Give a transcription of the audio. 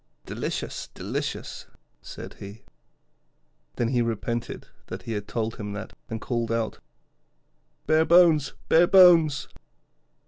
'Delicious, delicious,' said he. Then he repented that he had told him that, and called out: 'Bare bones, bare bones!'